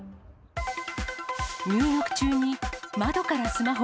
入浴中に、窓からスマホ。